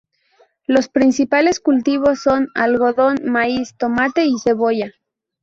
Los principales cultivos son algodón, maíz, tomate y cebolla.